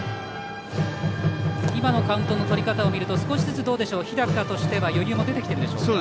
今のカウントの取り方を見ると少しずつ日高としては余裕も出てきているでしょうか。